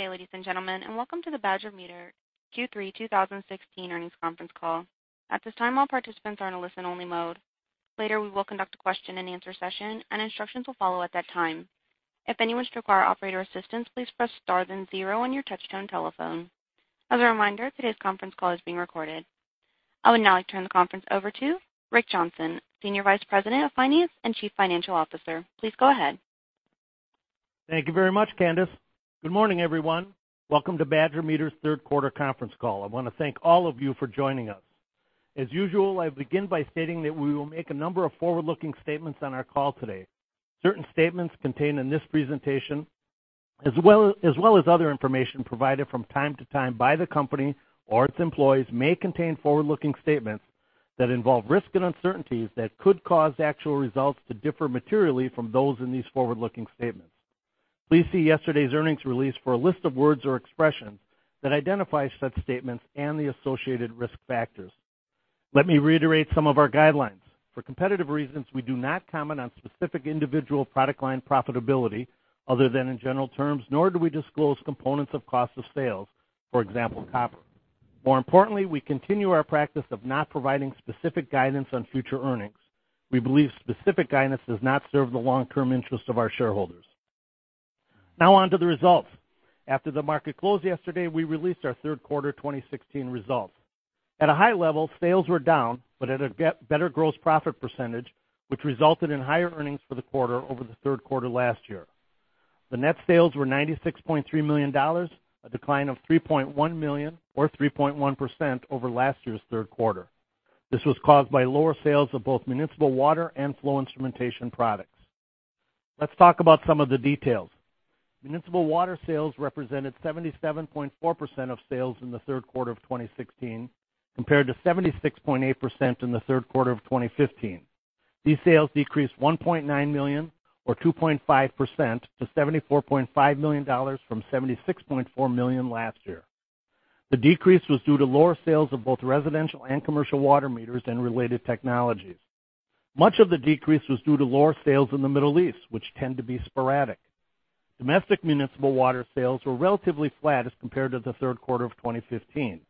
Good day, ladies and gentlemen, and welcome to the Badger Meter Q3 2016 earnings conference call. At this time, all participants are in a listen-only mode. Later, we will conduct a question and answer session, and instructions will follow at that time. If anyone should require operator assistance, please press star then zero on your touchtone telephone. As a reminder, today's conference call is being recorded. I would now like to turn the conference over to Rick Johnson, Senior Vice President of Finance and Chief Financial Officer. Please go ahead. Thank you very much, Candace. Good morning, everyone. Welcome to Badger Meter's third quarter conference call. I want to thank all of you for joining us. As usual, I begin by stating that we will make a number of forward-looking statements on our call today. Certain statements contained in this presentation, as well as other information provided from time to time by the company or its employees may contain forward-looking statements that involve risk and uncertainties that could cause actual results to differ materially from those in these forward-looking statements. Please see yesterday's earnings release for a list of words or expressions that identify such statements and the associated risk factors. Let me reiterate some of our guidelines. For competitive reasons, we do not comment on specific individual product line profitability other than in general terms, nor do we disclose components of cost of sales, for example, copper. More importantly, we continue our practice of not providing specific guidance on future earnings. We believe specific guidance does not serve the long-term interest of our shareholders. Now on to the results. After the market closed yesterday, we released our third quarter 2016 results. At a high level, sales were down, but at a better gross profit percentage, which resulted in higher earnings for the quarter over the third quarter last year. The net sales were $96.3 million, a decline of $3.1 million or 3.1% over last year's third quarter. This was caused by lower sales of both municipal water and flow instrumentation products. Let's talk about some of the details. Municipal water sales represented 77.4% of sales in the third quarter of 2016, compared to 76.8% in the third quarter of 2015. These sales decreased $1.9 million or 2.5% to $74.5 million from $76.4 million last year. The decrease was due to lower sales of both residential and commercial water meters and related technologies. Much of the decrease was due to lower sales in the Middle East, which tend to be sporadic. Domestic municipal water sales were relatively flat as compared to the third quarter of 2015.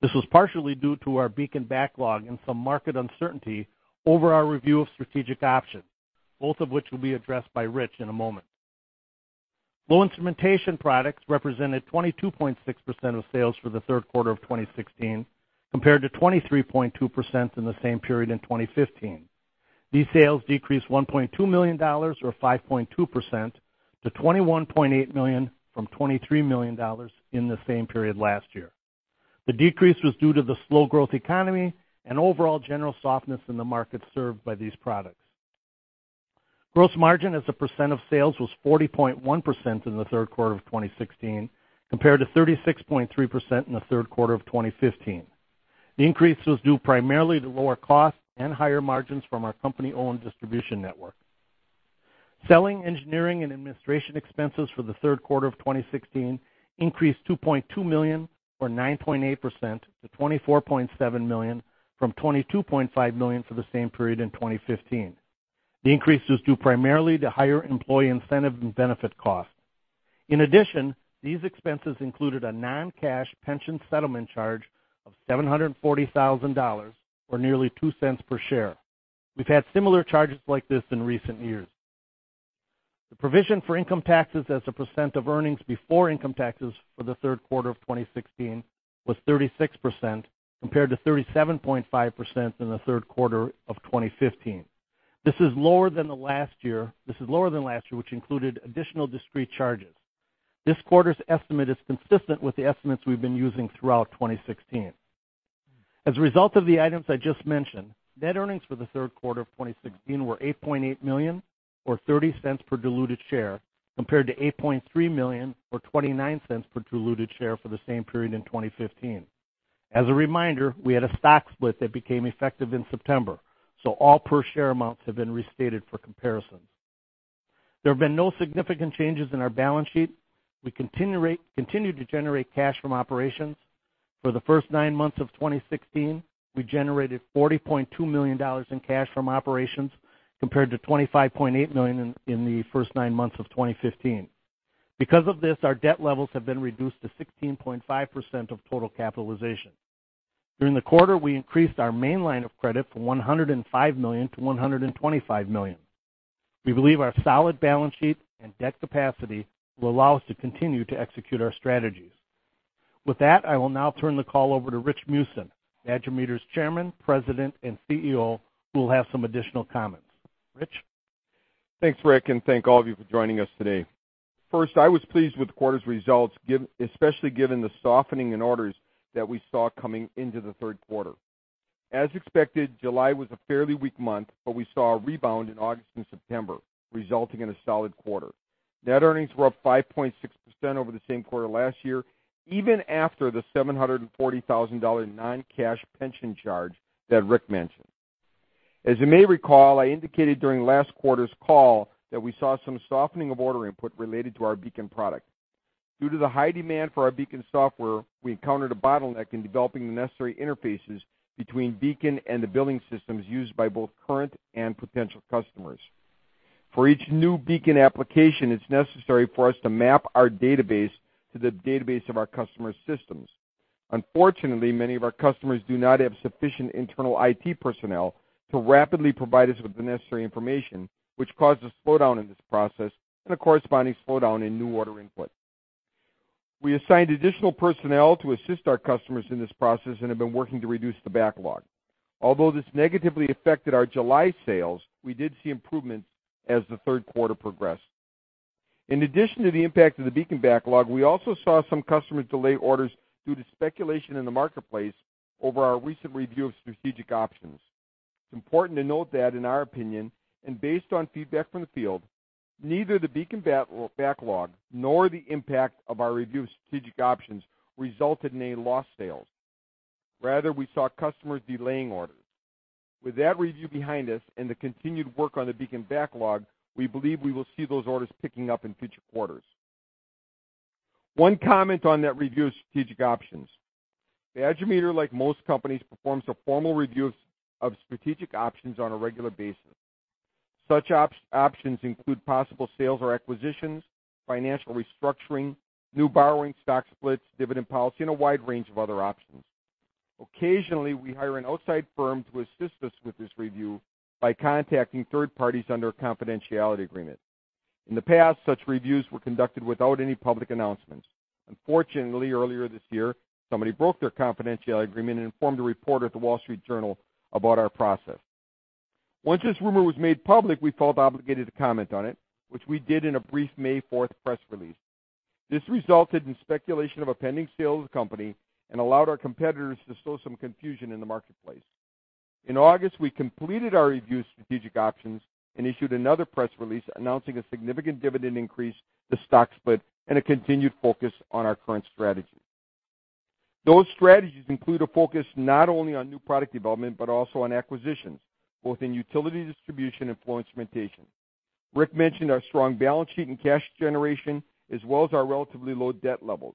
This was partially due to our BEACON backlog and some market uncertainty over our review of strategic options, both of which will be addressed by Rich in a moment. Flow instrumentation products represented 22.6% of sales for the third quarter of 2016, compared to 23.2% in the same period in 2015. These sales decreased $1.2 million or 5.2% to $21.8 million from $23 million in the same period last year. The decrease was due to the slow growth economy and overall general softness in the markets served by these products. Gross margin as a percent of sales was 40.1% in the third quarter of 2016, compared to 36.3% in the third quarter of 2015. The increase was due primarily to lower costs and higher margins from our company-owned distribution network. Selling, engineering, and administration expenses for the third quarter of 2016 increased $2.2 million or 9.8% to $24.7 million from $22.5 million for the same period in 2015. The increase was due primarily to higher employee incentive and benefit costs. In addition, these expenses included a non-cash pension settlement charge of $740,000, or nearly $0.02 per share. We've had similar charges like this in recent years. The provision for income taxes as a percent of earnings before income taxes for the third quarter of 2016 was 36%, compared to 37.5% in the third quarter of 2015. This is lower than last year, which included additional discrete charges. This quarter's estimate is consistent with the estimates we've been using throughout 2016. As a result of the items I just mentioned, net earnings for the third quarter of 2016 were $8.8 million, or $0.30 per diluted share, compared to $8.3 million or $0.29 per diluted share for the same period in 2015. As a reminder, we had a stock split that became effective in September. All per share amounts have been restated for comparison. There have been no significant changes in our balance sheet. We continue to generate cash from operations. For the first nine months of 2016, we generated $40.2 million in cash from operations, compared to $25.8 million in the first nine months of 2015. Because of this, our debt levels have been reduced to 16.5% of total capitalization. During the quarter, we increased our main line of credit from $105 million to $125 million. We believe our solid balance sheet and debt capacity will allow us to continue to execute our strategies. With that, I will now turn the call over to Rich Meeusen, Badger Meter's Chairman, President, and CEO, who will have some additional comments. Rich? Thanks, Rick, and thank all of you for joining us today. First, I was pleased with the quarter's results, especially given the softening in orders that we saw coming into the third quarter. As expected, July was a fairly weak month, but we saw a rebound in August and September, resulting in a solid quarter. Net earnings were up 5.6% over the same quarter last year, even after the $740,000 non-cash pension charge that Rick mentioned. As you may recall, I indicated during last quarter's call that we saw some softening of order input related to our BEACON product. Due to the high demand for our BEACON software, we encountered a bottleneck in developing the necessary interfaces between BEACON and the billing systems used by both current and potential customers. For each new BEACON application, it's necessary for us to map our database to the database of our customer's systems. Unfortunately, many of our customers do not have sufficient internal IT personnel to rapidly provide us with the necessary information, which caused a slowdown in this process and a corresponding slowdown in new order input. We assigned additional personnel to assist our customers in this process and have been working to reduce the backlog. Although this negatively affected our July sales, we did see improvements as the third quarter progressed. In addition to the impact of the BEACON backlog, we also saw some customers delay orders due to speculation in the marketplace over our recent review of strategic options. It's important to note that in our opinion, and based on feedback from the field, neither the BEACON backlog nor the impact of our review of strategic options resulted in any lost sales. Rather, we saw customers delaying orders. With that review behind us and the continued work on the BEACON backlog, we believe we will see those orders picking up in future quarters. One comment on that review of strategic options. Badger Meter, like most companies, performs a formal review of strategic options on a regular basis. Such options include possible sales or acquisitions, financial restructuring, new borrowing, stock splits, dividend policy, and a wide range of other options. Occasionally, we hire an outside firm to assist us with this review by contacting third parties under a confidentiality agreement. In the past, such reviews were conducted without any public announcements. Unfortunately, earlier this year, somebody broke their confidentiality agreement and informed a reporter at The Wall Street Journal about our process. Once this rumor was made public, we felt obligated to comment on it, which we did in a brief May 4th press release. This resulted in speculation of a pending sale of the company and allowed our competitors to sow some confusion in the marketplace. In August, we completed our review of strategic options and issued another press release announcing a significant dividend increase, the stock split, and a continued focus on our current strategy. Those strategies include a focus not only on new product development, but also on acquisitions, both in utility distribution and flow instrumentation. Rick mentioned our strong balance sheet and cash generation, as well as our relatively low debt levels.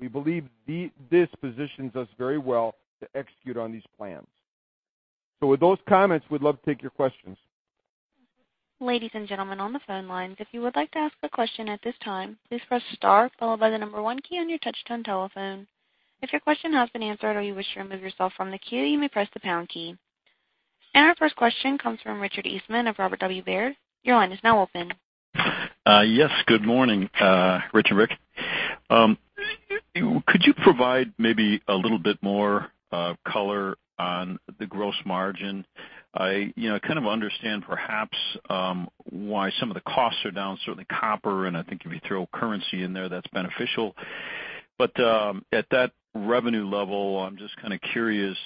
We believe this positions us very well to execute on these plans. With those comments, we'd love to take your questions. Ladies and gentlemen on the phone lines, if you would like to ask a question at this time, please press star followed by the number one key on your touch-tone telephone. If your question has been answered or you wish to remove yourself from the queue, you may press the pound key. Our first question comes from Richard Eastman of Robert W. Baird. Your line is now open. Yes. Good morning, Rich and Rick. Could you provide maybe a little bit more color on the gross margin? I kind of understand perhaps why some of the costs are down, certainly copper, and I think if you throw currency in there, that's beneficial. At that revenue level, I'm just curious,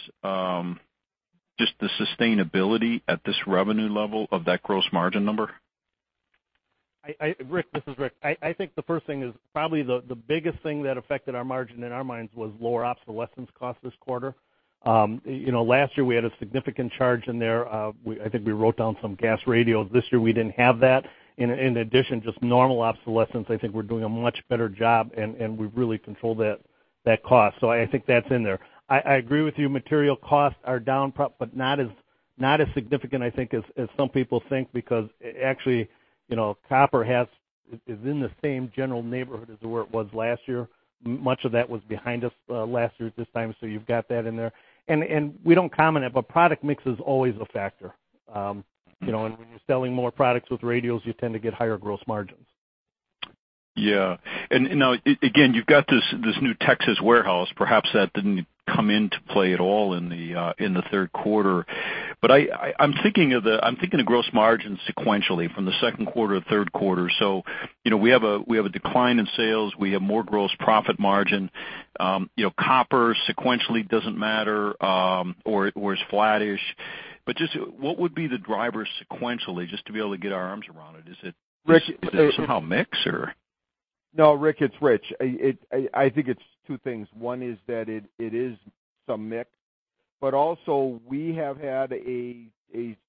just the sustainability at this revenue level of that gross margin number. Rick, this is Rick. I think the first thing is probably the biggest thing that affected our margin in our minds was lower obsolescence cost this quarter. Last year, we had a significant charge in there. I think we wrote down some gas radios. This year, we didn't have that. In addition, just normal obsolescence, I think we're doing a much better job, and we've really controlled that cost. I think that's in there. I agree with you, material costs are down, but not as significant, I think, as some people think, because actually, copper is in the same general neighborhood as where it was last year. Much of that was behind us last year at this time, so you've got that in there. We don't comment, but product mix is always a factor. When you're selling more products with radios, you tend to get higher gross margins. Yeah. Now, again, you've got this new Texas warehouse. Perhaps that didn't come into play at all in the third quarter. I'm thinking of gross margin sequentially from the second quarter to third quarter. We have a decline in sales. We have more gross profit margin. Copper sequentially doesn't matter or is flattish. Just what would be the driver sequentially, just to be able to get our arms around it? Is it- Rick- somehow mix or? No, Rick, it's Rich. I think it's two things. One is that it is some mix, but also we have had a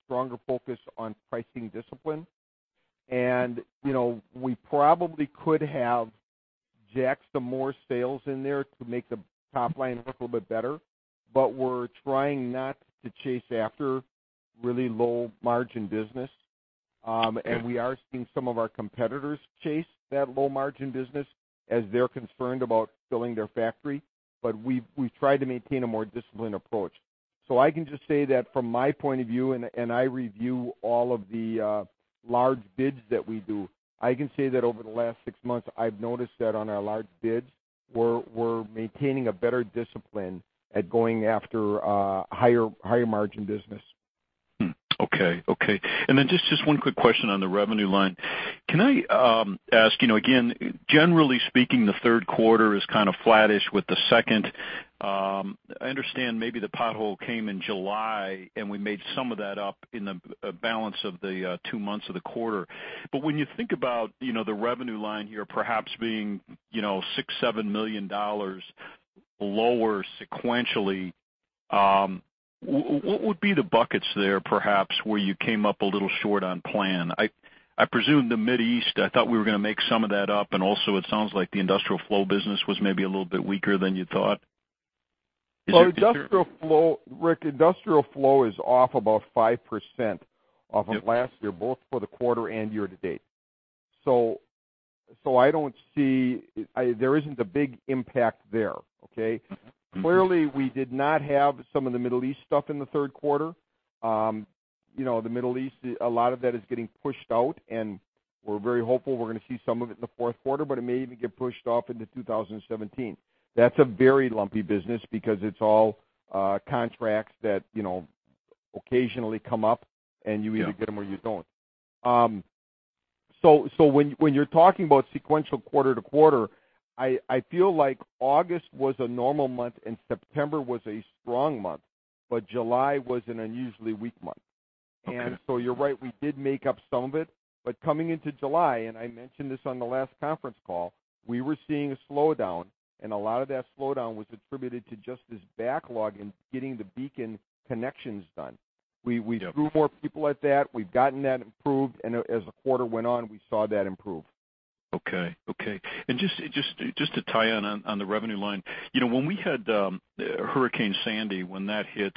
stronger focus on pricing discipline. We probably could have jacked some more sales in there to make the top line look a little bit better, but we're trying not to chase after really low-margin business. We are seeing some of our competitors chase that low-margin business as they're concerned about filling their factory. We've tried to maintain a more disciplined approach. I can just say that from my point of view, and I review all of the large bids that we do. I can say that over the last 6 months, I've noticed that on our large bids, we're maintaining a better discipline at going after higher-margin business. Okay. Then just one quick question on the revenue line. Can I ask, again, generally speaking, the third quarter is kind of flattish with the second. I understand maybe the pothole came in July, and we made some of that up in the balance of the 2 months of the quarter. When you think about the revenue line here perhaps being $6 million-$7 million lower sequentially, what would be the buckets there, perhaps, where you came up a little short on plan? I presume the Mid East, I thought we were going to make some of that up, and also it sounds like the industrial flow business was maybe a little bit weaker than you thought. Well, Rick, industrial flow is off about 5% off of last year, both for the quarter and year-to-date. I don't see There isn't a big impact there, okay? Clearly, we did not have some of the Middle East stuff in the third quarter. The Middle East, a lot of that is getting pushed out, and we're very hopeful we're going to see some of it in the fourth quarter, but it may even get pushed off into 2017. That's a very lumpy business because it's all contracts that occasionally come up, and you either get them or you don't. When you're talking about sequential quarter-to-quarter, I feel like August was a normal month and September was a strong month, but July was an unusually weak month. Okay. You're right, we did make up some of it. Coming into July, and I mentioned this on the last conference call, we were seeing a slowdown, and a lot of that slowdown was attributed to just this backlog in getting the BEACON connections done. Yeah. We threw more people at that. We've gotten that improved, and as the quarter went on, we saw that improve. Okay. Just to tie in on the revenue line, when we had Hurricane Sandy, when that hit,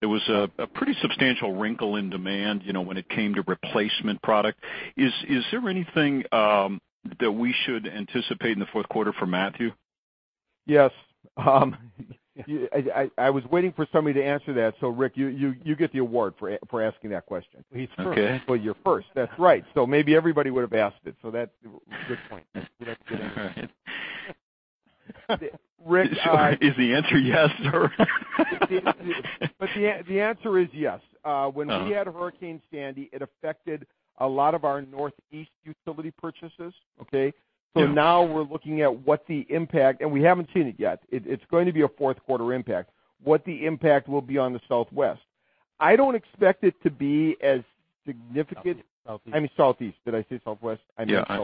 there was a pretty substantial wrinkle in demand when it came to replacement product. Is there anything that we should anticipate in the fourth quarter from Matthew? Yes. I was waiting for somebody to answer that, Rick, you get the award for asking that question. Okay. Well, you're first. That's right. Maybe everybody would've asked it, so that's a good point. All right. Rick. Is the answer yes or? The answer is yes. When we had Hurricane Sandy, it affected a lot of our Northeast utility purchases, okay? Yeah. Now we're looking at what the impact, and we haven't seen it yet, it's going to be a fourth quarter impact, what the impact will be on the Southwest. I don't expect it to be as significant- Southeast. I mean, Southeast. Did I say Southwest? I meant Southeast. Yeah,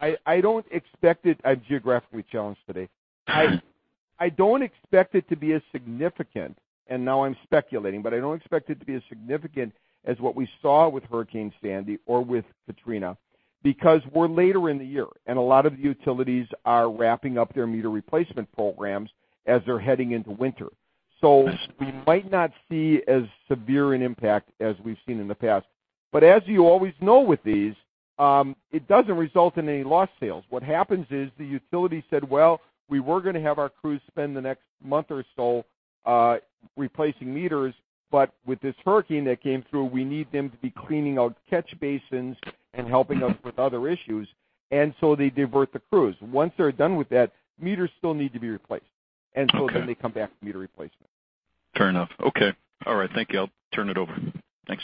I understand. Yeah. I'm geographically challenged today. I don't expect it to be as significant, and now I'm speculating, but I don't expect it to be as significant as what we saw with Hurricane Sandy or with Katrina, because we're later in the year, and a lot of the utilities are wrapping up their meter replacement programs as they're heading into winter. We might not see as severe an impact as we've seen in the past. As you always know with these, it doesn't result in any lost sales. What happens is the utility said, "Well, we were going to have our crews spend the next month or so replacing meters, but with this hurricane that came through, we need them to be cleaning out catch basins and helping us with other issues." They divert the crews. Once they're done with that, meters still need to be replaced. Okay. They come back for meter replacement. Fair enough. Okay. All right. Thank you. I'll turn it over. Thanks.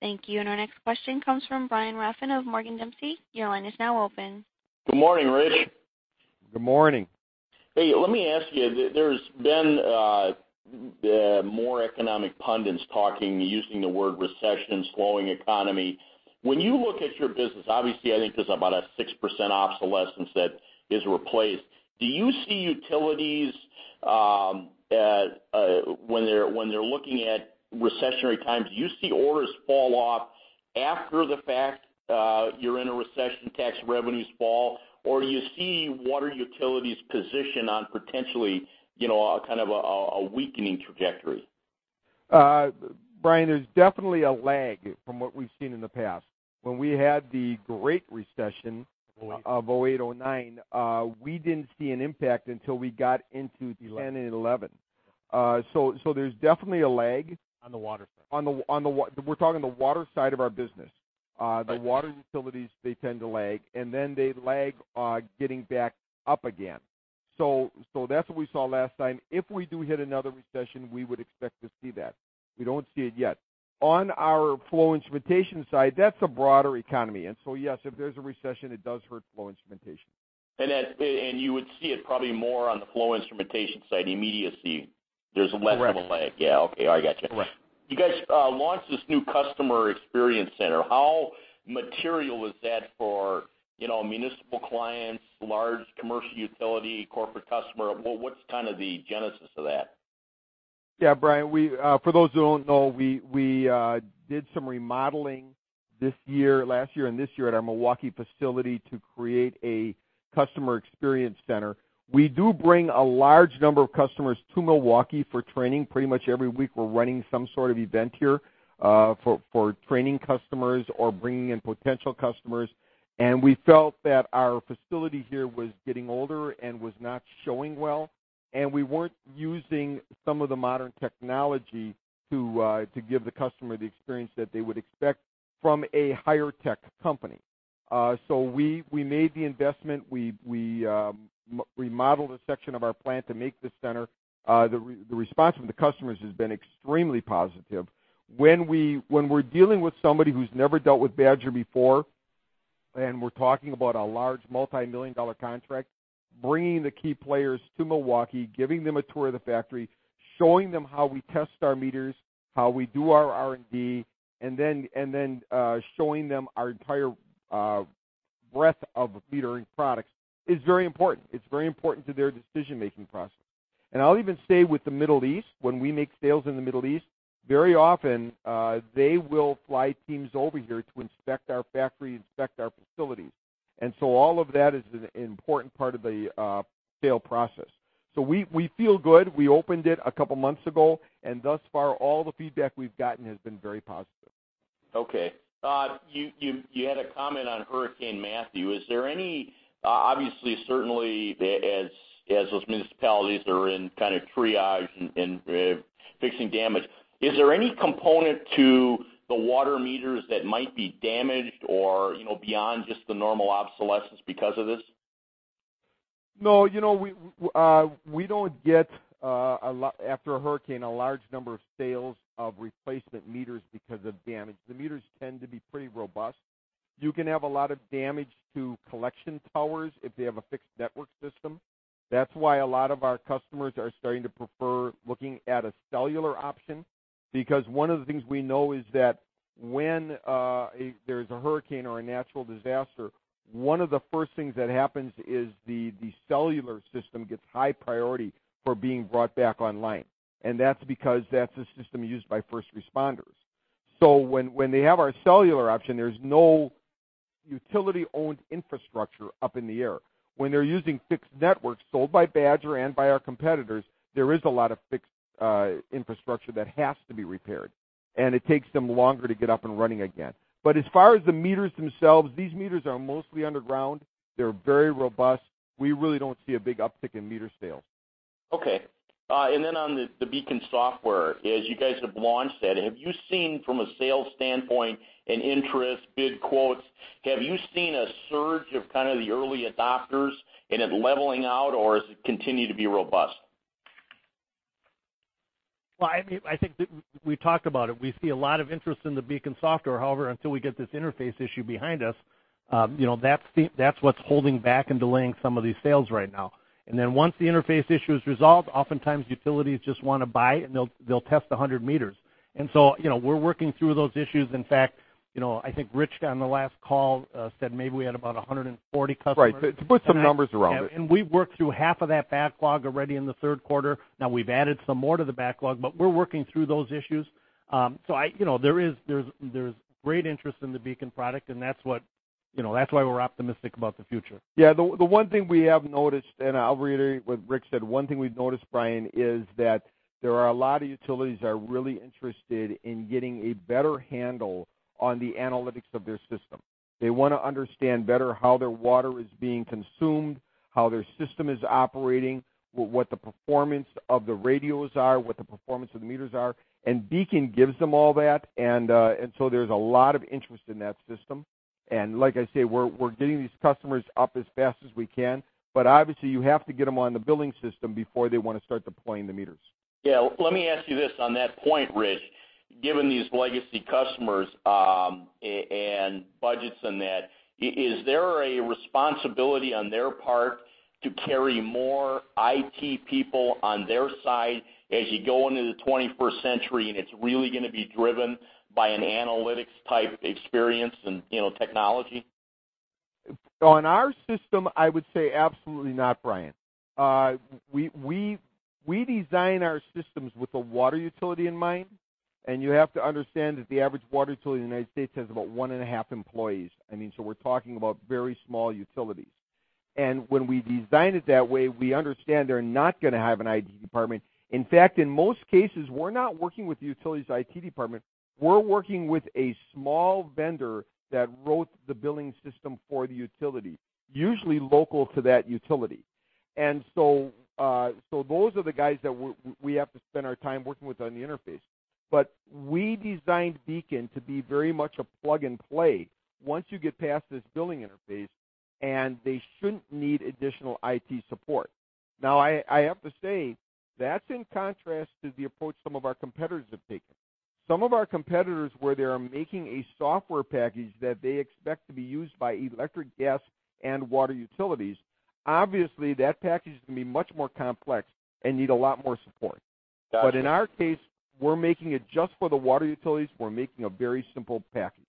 Thank you. Our next question comes from Brian Rafn of Morgan Dempsey. Your line is now open. Good morning, Rick. Good morning. Hey, let me ask you. There's been more economic pundits talking, using the word recession, slowing economy. When you look at your business, obviously, I think there's about a 6% obsolescence that is replaced. Do you see utilities, when they're looking at recessionary times, do you see orders fall off after the fact you're in a recession, tax revenues fall, or do you see water utilities' position on potentially, kind of a weakening trajectory? Brian, there's definitely a lag from what we've seen in the past. When we had the great recession of 2008, 2009, we didn't see an impact until we got into 2010 and 2011. There's definitely a lag. On the water side. We're talking the water side of our business. Okay. The water utilities, they tend to lag, and then they lag getting back up again. That's what we saw last time. If we do hit another recession, we would expect to see that. We don't see it yet. On our flow instrumentation side, that's a broader economy, and so yes, if there's a recession, it does hurt flow instrumentation. You would see it probably more on the flow instrumentation side, immediacy. There's less of a lag. Correct. Yeah. Okay. All right. Gotcha. Correct. You guys launched this new Customer Experience Center. How material is that for municipal clients, large commercial utility, corporate customer? What's kind of the genesis of that? Yeah, Brian, for those who don't know, we did some remodeling this year, last year, and this year at our Milwaukee facility to create a Customer Experience Center. We do bring a large number of customers to Milwaukee for training. Pretty much every week, we're running some sort of event here for training customers or bringing in potential customers, and we felt that our facility here was getting older and was not showing well, and we weren't using some of the modern technology to give the customer the experience that they would expect from a higher tech company. We made the investment. We remodeled a section of our plant to make this center. The response from the customers has been extremely positive. When we're dealing with somebody who's never dealt with Badger before, we're talking about a large multimillion-dollar contract, bringing the key players to Milwaukee, giving them a tour of the factory, showing them how we test our meters, how we do our R&D, then showing them our entire breadth of metering products is very important. It's very important to their decision-making process. I'll even say with the Middle East, when we make sales in the Middle East, very often, they will fly teams over here to inspect our factory, inspect our facilities. All of that is an important part of the sale process. We feel good. We opened it a couple months ago, thus far, all the feedback we've gotten has been very positive. Okay. You had a comment on Hurricane Matthew. Obviously, certainly, as those municipalities are in triage and fixing damage, is there any component to the water meters that might be damaged or beyond just the normal obsolescence because of this? No. We don't get, after a hurricane, a large number of sales of replacement meters because of damage. The meters tend to be pretty robust. You can have a lot of damage to collection towers if they have a fixed network system. That's why a lot of our customers are starting to prefer looking at a cellular option, because one of the things we know is that when there's a hurricane or a natural disaster, one of the first things that happens is the cellular system gets high priority for being brought back online. That's because that's the system used by first responders. When they have our cellular option, there's no utility-owned infrastructure up in the air. When they're using fixed networks sold by Badger and by our competitors, there is a lot of fixed infrastructure that has to be repaired. It takes them longer to get up and running again. As far as the meters themselves, these meters are mostly underground. They're very robust. We really don't see a big uptick in meter sales. Okay. On the BEACON software, as you guys have launched that, have you seen from a sales standpoint an interest, bid quotes? Have you seen a surge of the early adopters and it leveling out, or does it continue to be robust? Well, I think that we talked about it. We see a lot of interest in the BEACON software. However, until we get this interface issue behind us, that's what's holding back and delaying some of these sales right now. Once the interface issue is resolved, oftentimes utilities just want to buy it, and they'll test 100 meters. We're working through those issues. In fact, I think Rich, on the last call, said maybe we had about 140 customers. Right. To put some numbers around it. We've worked through half of that backlog already in the third quarter. Now we've added some more to the backlog, but we're working through those issues. There's great interest in the BEACON product, and that's why we're optimistic about the future. Yeah, the one thing we have noticed, and I'll reiterate what Rick said, one thing we've noticed, Brian, is that there are a lot of utilities that are really interested in getting a better handle on the analytics of their system. They want to understand better how their water is being consumed, how their system is operating, what the performance of the radios are, what the performance of the meters are, and BEACON gives them all that. There's a lot of interest in that system. Like I say, we're getting these customers up as fast as we can, but obviously you have to get them on the billing system before they want to start deploying the meters. Yeah. Let me ask you this on that point, Rich. Given these legacy customers, and budgets and that, is there a responsibility on their part to carry more IT people on their side as you go into the 21st century, and it's really going to be driven by an analytics-type experience and technology? On our system, I would say absolutely not, Brian. We design our systems with a water utility in mind, and you have to understand that the average water utility in the U.S. has about one and a half employees. We're talking about very small utilities. When we design it that way, we understand they're not going to have an IT department. In fact, in most cases, we're not working with the utility's IT department. We're working with a small vendor that wrote the billing system for the utility, usually local to that utility. Those are the guys that we have to spend our time working with on the interface. We designed BEACON to be very much a plug-and-play once you get past this billing interface, and they shouldn't need additional IT support. Now, I have to say, that's in contrast to the approach some of our competitors have taken. Some of our competitors, where they are making a software package that they expect to be used by electric, gas, and water utilities, obviously that package is going to be much more complex and need a lot more support. Got you. In our case, we're making it just for the municipal water utilities. We're making a very simple package.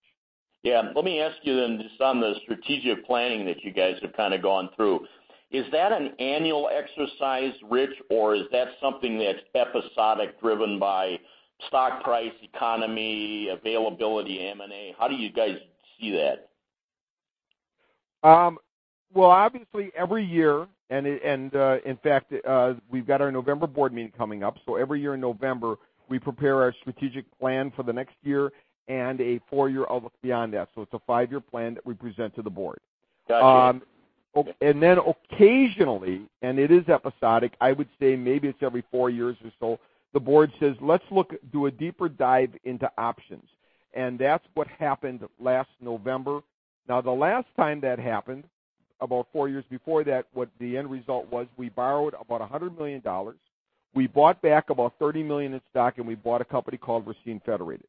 Yeah. Let me ask you then, just on the strategic planning that you guys have gone through, is that an annual exercise, Rich, or is that something that's episodic, driven by stock price, economy, availability, M&A? How do you guys see that? Well, obviously every year, in fact, we've got our November board meeting coming up. Every year in November, we prepare our strategic plan for the next year and a four-year look beyond that. It's a five-year plan that we present to the board. Got you. Occasionally, it is episodic, I would say maybe it's every four years or so, the board says, "Let's do a deeper dive into options." That's what happened last November. The last time that happened, about four years before that, what the end result was, we borrowed about $100 million. We bought back about $30 million in stock, and we bought a company called Racine Federated.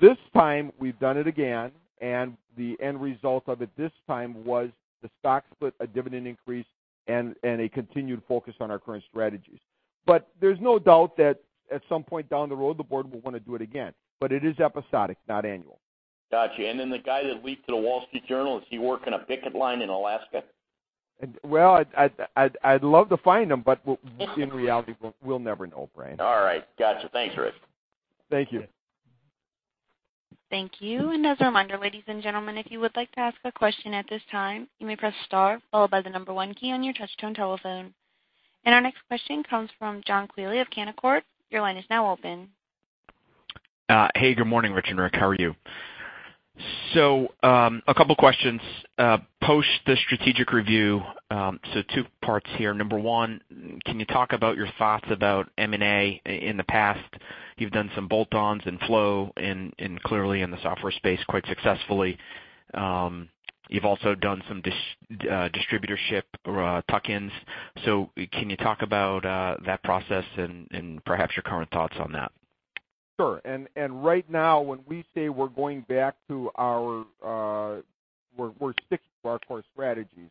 This time, we've done it again, and the end result of it this time was the stock split, a dividend increase, and a continued focus on our current strategies. There's no doubt that at some point down the road, the board will want to do it again. It is episodic, not annual. Got you. The guy that leaked to The Wall Street Journal, is he working a picket line in Alaska? I'd love to find him, in reality, we'll never know, Brian. All right. Got you. Thanks, Rich. Thank you. Thank you. As a reminder, ladies and gentlemen, if you would like to ask a question at this time, you may press star followed by the number 1 key on your touchtone telephone. Our next question comes from John Quigley of Canaccord. Your line is now open. Hey, good morning, Rich and Rick. How are you? A couple questions. Post the strategic review, two parts here. Number 1, can you talk about your thoughts about M&A? In the past, you've done some bolt-ons in flow instrumentation and clearly in the software space, quite successfully. You've also done some distributorship tuck-ins. Can you talk about that process and perhaps your current thoughts on that? Sure. Right now when we say we're going back to our core strategies.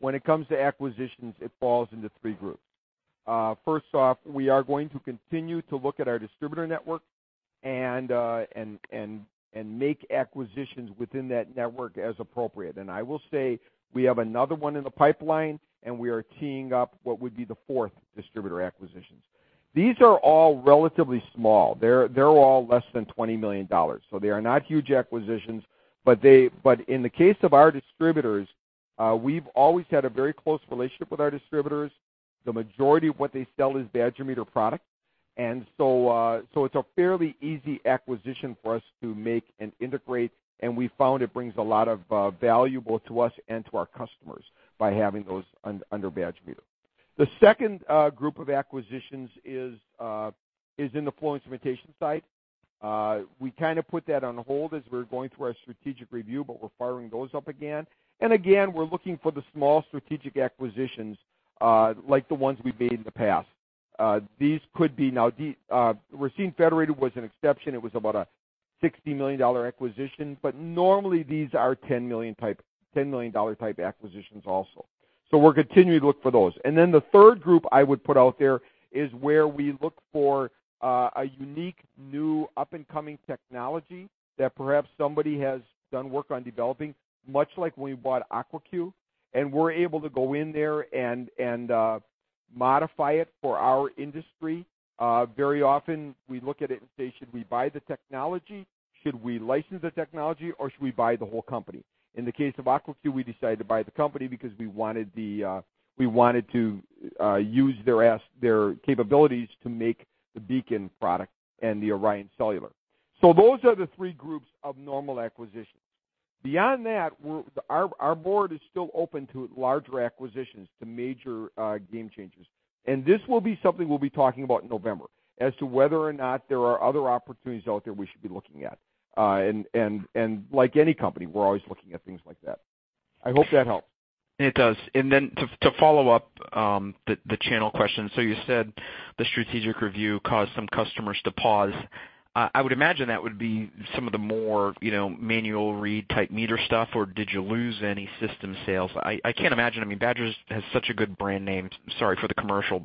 When it comes to acquisitions, it falls into three groups. First off, we are going to continue to look at our distributor network and make acquisitions within that network as appropriate. I will say we have another one in the pipeline, we are teeing up what would be the fourth distributor acquisitions. These are all relatively small. They are all less than $20 million. They are not huge acquisitions, but in the case of our distributors, we've always had a very close relationship with our distributors. The majority of what they sell is Badger Meter product. It's a fairly easy acquisition for us to make and integrate. We found it brings a lot of value, both to us and to our customers by having those under Badger Meter. The second group of acquisitions is in the flow instrumentation side. We kind of put that on hold as we were going through our strategic review, we're firing those up again. Again, we're looking for the small strategic acquisitions, like the ones we've made in the past. Racine Federated was an exception. It was about a $60 million acquisition, but normally these are $10 million type acquisitions also. We're continuing to look for those. The third group I would put out there is where we look for a unique, new, up-and-coming technology that perhaps somebody has done work on developing, much like when we bought Aquacue, we're able to go in there and modify it for our industry. Very often we look at it and say, "Should we buy the technology? Should we license the technology, or should we buy the whole company?" In the case of Aquacue, we decided to buy the company because we wanted to use their capabilities to make the BEACON product and the ORION Cellular. Those are the three groups of normal acquisitions. Beyond that, our board is still open to larger acquisitions, to major game changers. This will be something we'll be talking about in November as to whether or not there are other opportunities out there we should be looking at. Like any company, we're always looking at things like that. I hope that helped. It does. To follow up the channel question. You said the strategic review caused some customers to pause. I would imagine that would be some of the more manual read type meter stuff, or did you lose any system sales? I can't imagine. I mean, Badger has such a good brand name. Sorry for the commercial,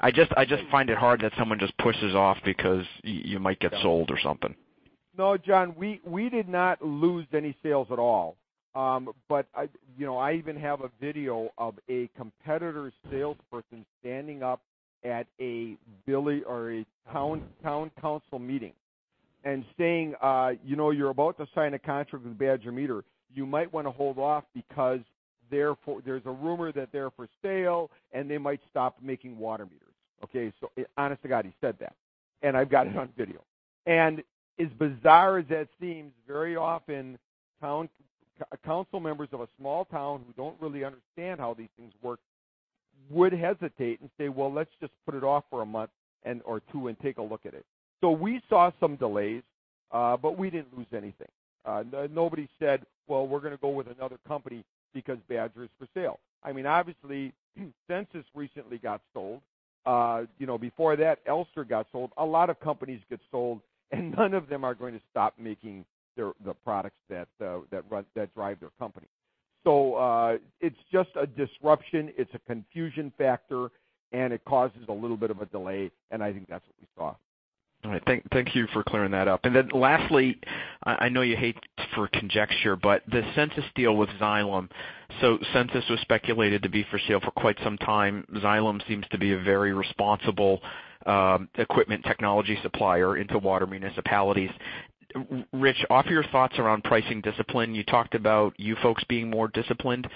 I just find it hard that someone just pushes off because you might get sold or something. No, John, we did not lose any sales at all. I even have a video of a competitor's salesperson standing up at a town council meeting and saying, "You're about to sign a contract with Badger Meter. You might want to hold off because there's a rumor that they're for sale, and they might stop making water meters." Honest to God, he said that, and I've got it on video. As bizarre as that seems, very often council members of a small town who don't really understand how these things work would hesitate and say, "Well, let's just put it off for a month or two and take a look at it." We saw some delays, but we didn't lose anything. Nobody said, "Well, we're gonna go with another company because Badger is for sale." I mean, obviously, Sensus recently got sold. Before that, Elster got sold. A lot of companies get sold, and none of them are going to stop making the products that drive their company. It's just a disruption, it's a confusion factor, and it causes a little bit of a delay, and I think that's what we saw. All right. Thank you for clearing that up. Then lastly, I know you hate for conjecture, but the Sensus deal with Xylem. Sensus was speculated to be for sale for quite some time. Xylem seems to be a very responsible equipment technology supplier into water municipalities. Rich, offer your thoughts around pricing discipline. You talked about you folks being more disciplined.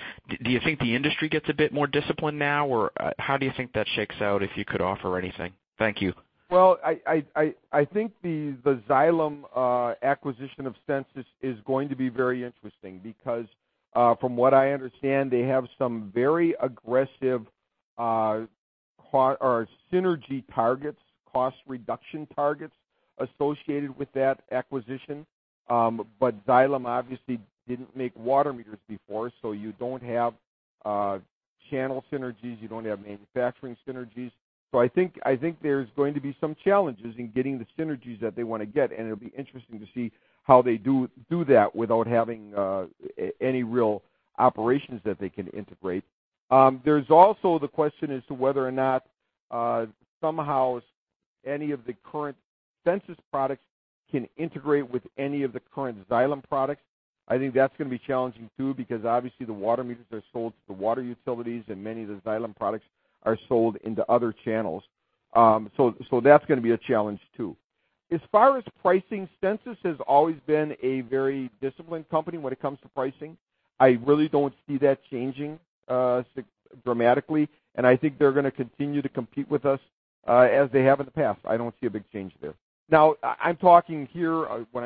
Do you think the industry gets a bit more disciplined now, or how do you think that shakes out, if you could offer anything? Thank you. Well, I think the Xylem acquisition of Sensus is going to be very interesting because, from what I understand, they have some very aggressive synergy targets, cost reduction targets associated with that acquisition. Xylem obviously didn't make water meters before, so you don't have channel synergies, you don't have manufacturing synergies. I think there's going to be some challenges in getting the synergies that they want to get, and it'll be interesting to see how they do that without having any real operations that they can integrate. There's also the question as to whether or not somehow any of the current Sensus products can integrate with any of the current Xylem products. I think that's going to be challenging too, because obviously the water meters are sold to the water utilities, and many of the Xylem products are sold into other channels. That's going to be a challenge too. As far as pricing, Sensus has always been a very disciplined company when it comes to pricing. I really don't see that changing dramatically, and I think they're going to continue to compete with us as they have in the past. I don't see a big change there. Now, when I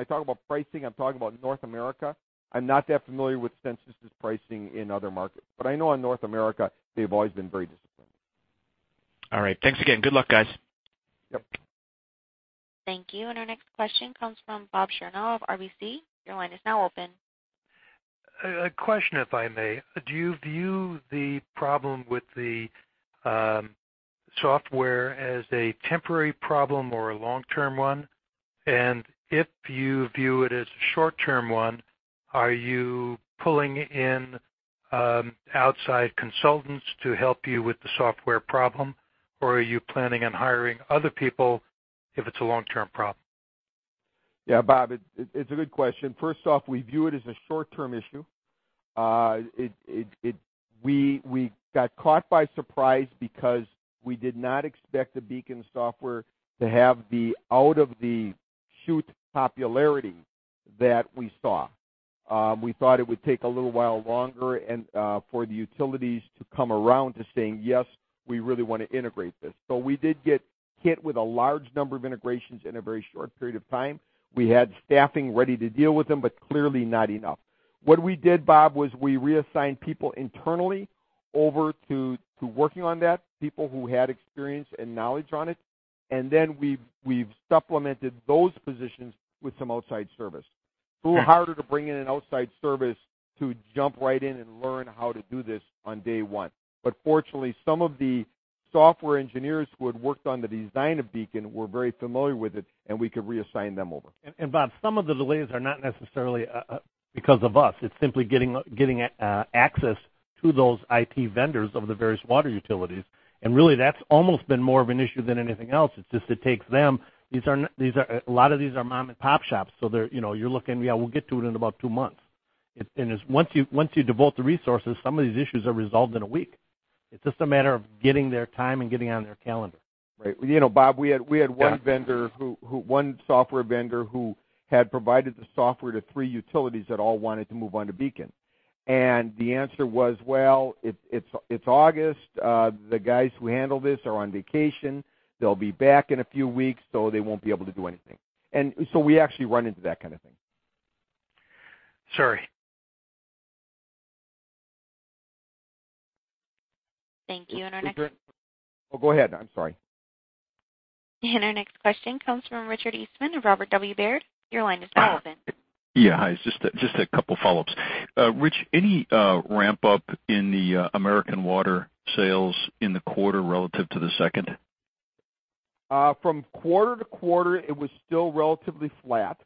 talk about pricing, I'm talking about North America. I'm not that familiar with Sensus's pricing in other markets, but I know in North America, they've always been very disciplined. All right. Thanks again. Good luck, guys. Yep. Thank you. Our next question comes from Bob Chernow of RBC. Your line is now open. A question, if I may. Do you view the problem with the software as a temporary problem or a long-term one? If you view it as a short-term one, are you pulling in outside consultants to help you with the software problem, or are you planning on hiring other people if it's a long-term problem? Yeah, Bob, it's a good question. First off, we view it as a short-term issue. We got caught by surprise because we did not expect the BEACON software to have the out-of-the-chute popularity that we saw. We thought it would take a little while longer and for the utilities to come around to saying, "Yes, we really want to integrate this." We did get hit with a large number of integrations in a very short period of time. We had staffing ready to deal with them, but clearly not enough. What we did, Bob, was we reassigned people internally over to working on that, people who had experience and knowledge on it, and then we've supplemented those positions with some outside service. A little harder to bring in an outside service to jump right in and learn how to do this on day one. Fortunately, some of the software engineers who had worked on the design of BEACON were very familiar with it, and we could reassign them over. Bob, some of the delays are not necessarily because of us. It's simply getting access to those IT vendors of the various water utilities. Really, that's almost been more of an issue than anything else. It's just a lot of these are mom-and-pop shops, so you're looking, "Yeah, we'll get to it in about two months." Once you devote the resources, some of these issues are resolved in a week. It's just a matter of getting their time and getting on their calendar. Right. Bob, we had one vendor, one software vendor who had provided the software to three utilities that all wanted to move on to BEACON. The answer was, "Well, it's August. The guys who handle this are on vacation. They'll be back in a few weeks," so they won't be able to do anything. We actually run into that kind of thing. Sorry. Thank you. Oh, go ahead. I'm sorry. Our next question comes from Richard Eastman of Robert W. Baird. Your line is now open. Yeah, hi. It's just a couple follow-ups. Rich, any ramp-up in the American Water sales in the quarter relative to the second? From quarter to quarter, it was still relatively flat.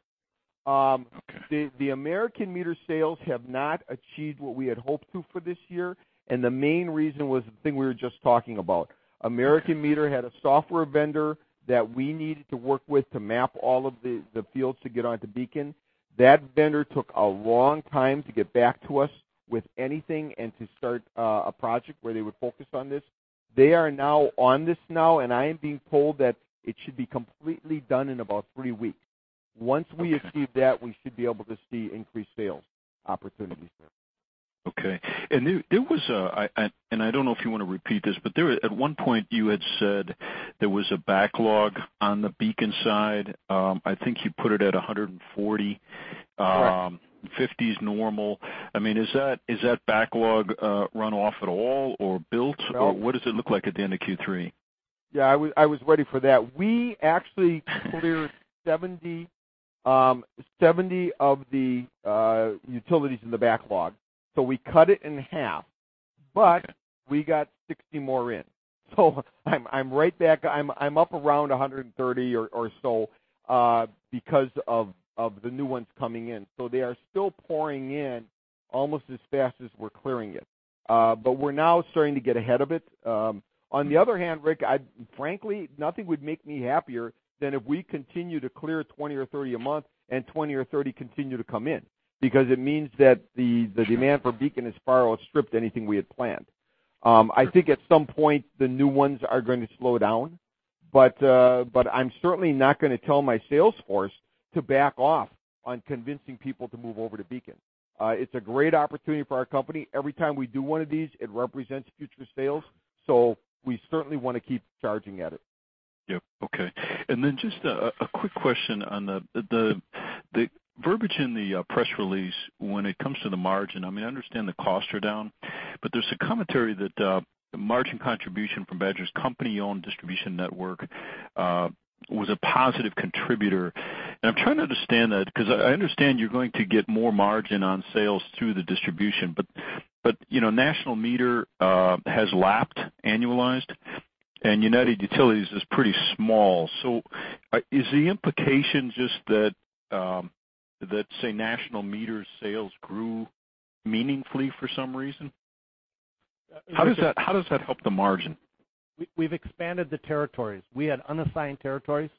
Okay. The American Water sales have not achieved what we had hoped to for this year. The main reason was the thing we were just talking about. American Water had a software vendor that we needed to work with to map all of the fields to get onto BEACON. That vendor took a long time to get back to us with anything and to start a project where they would focus on this. They are now on this now. I am being told that it should be completely done in about three weeks. Once we achieve that, we should be able to see increased sales opportunities there. Okay. I don't know if you want to repeat this, but at one point you had said there was a backlog on the BEACON side. I think you put it at 140. Correct. 50 is normal. Has that backlog run off at all or built? No. What does it look like at the end of Q3? Yeah, I was ready for that. We actually cleared 70 of the utilities in the backlog. We cut it in half, but we got 60 more in. I'm right back. I'm up around 130 or so because of the new ones coming in. They are still pouring in almost as fast as we're clearing it. We're now starting to get ahead of it. On the other hand, Rick, frankly, nothing would make me happier than if we continue to clear 20 or 30 a month and 20 or 30 continue to come in, because it means that the demand for BEACON has far outstripped anything we had planned. I think at some point, the new ones are going to slow down, I'm certainly not going to tell my sales force to back off on convincing people to move over to BEACON. It's a great opportunity for our company. Every time we do one of these, it represents future sales, so we certainly want to keep charging at it. Yep. Okay. Then just a quick question on the verbiage in the press release when it comes to the margin. I understand the costs are down, but there's a commentary that the margin contribution from Badger's company-owned distribution network was a positive contributor. I'm trying to understand that because I understand you're going to get more margin on sales through the distribution, but National Meter has lapped annualized, and United Utilities is pretty small. Is the implication just that, say, National Meter's sales grew meaningfully for some reason? How does that help the margin? We've expanded the territories. We had unassigned territories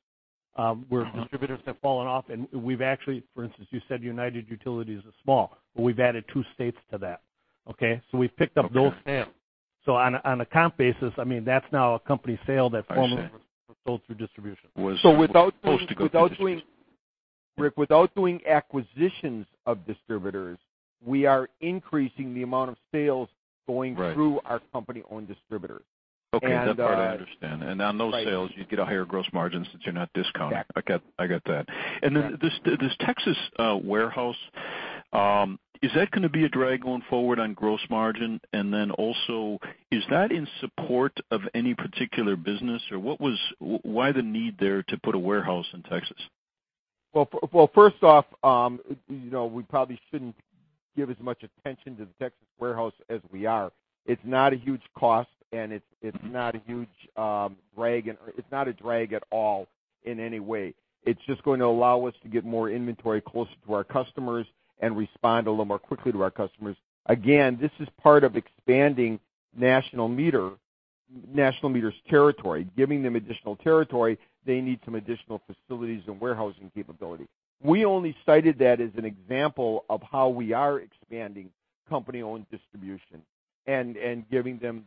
where distributors have fallen off, and we've actually, for instance, you said United Utilities is small, but we've added two states to that. Okay? We've picked up those sales. On a comp basis, that's now a company sale that formerly was sold through distribution. Was supposed to go through distribution. Rick, without doing acquisitions of distributors, we are increasing the amount of sales going through our company-owned distributors. Okay. That part I understand. On those sales, you'd get a higher gross margin since you're not discounting. Exactly. I get that. This Texas warehouse, is that going to be a drag going forward on gross margin? Is that in support of any particular business, or what was the need there to put a warehouse in Texas? First off, we probably shouldn't give as much attention to the Texas warehouse as we are. It's not a huge cost, and it's not a drag at all in any way. It's just going to allow us to get more inventory closer to our customers and respond a little more quickly to our customers. Again, this is part of expanding National Meter's territory. Giving them additional territory, they need some additional facilities and warehousing capability. We only cited that as an example of how we are expanding company-owned distribution and giving them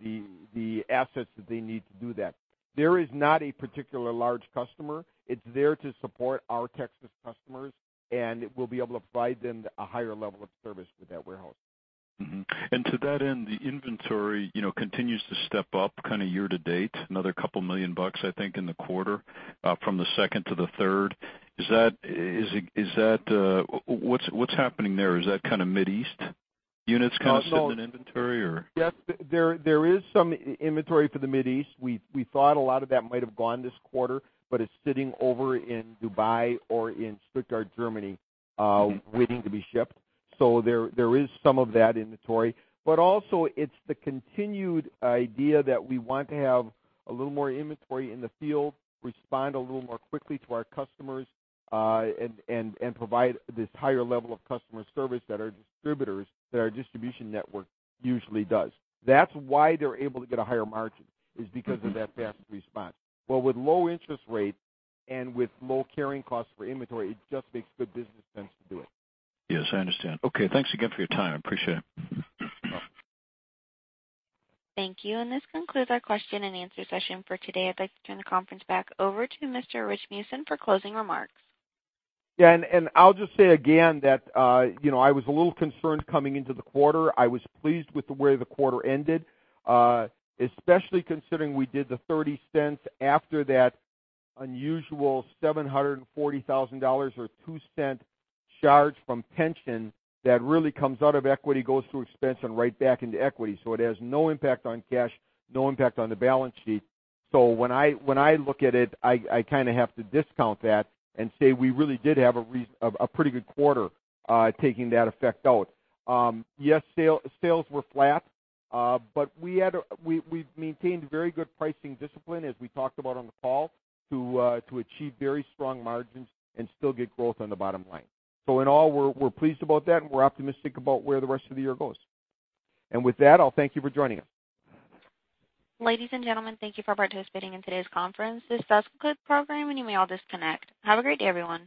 the assets that they need to do that. There is not a particular large customer. It's there to support our Texas customers, and we'll be able to provide them a higher level of service with that warehouse. Mm-hmm. To that end, the inventory continues to step up year-to-date, another couple million dollars, I think, in the quarter from the second to the third. What's happening there? Is that Mideast units sitting in inventory? Yes, there is some inventory for the Mideast. We thought a lot of that might have gone this quarter, but it's sitting over in Dubai or in Stuttgart, Germany, waiting to be shipped. There is some of that inventory. Also it's the continued idea that we want to have a little more inventory in the field, respond a little more quickly to our customers, and provide this higher level of customer service that our distribution network usually does. That's why they're able to get a higher margin is because of that fast response. With low interest rates and with low carrying costs for inventory, it just makes good business sense to do it. Yes, I understand. Okay, thanks again for your time. Appreciate it. Thank you. This concludes our question and answer session for today. I'd like to turn the conference back over to Mr. Rich Meeusen for closing remarks. I'll just say again that I was a little concerned coming into the quarter. I was pleased with the way the quarter ended, especially considering we did the $0.30 after that unusual $740,000 or $0.02 charge from pension that really comes out of equity, goes through expense, and right back into equity. It has no impact on cash, no impact on the balance sheet. When I look at it, I kind of have to discount that and say we really did have a pretty good quarter taking that effect out. Yes, sales were flat, but we've maintained very good pricing discipline, as we talked about on the call, to achieve very strong margins and still get growth on the bottom line. In all, we're pleased about that, and we're optimistic about where the rest of the year goes. With that, I'll thank you for joining us. Ladies and gentlemen, thank you for participating in today's conference. This does conclude the program, and you may all disconnect. Have a great day, everyone.